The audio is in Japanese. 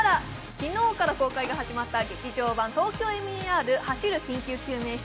昨日から公開が始まった「劇場版ＴＯＫＹＯＭＥＲ走る緊急救命室」。